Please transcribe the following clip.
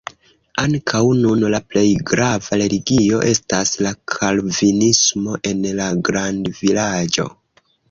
Ankaŭ nun la plej grava religio estas la kalvinismo en la grandvilaĝo.